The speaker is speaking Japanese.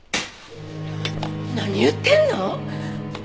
何言ってんの？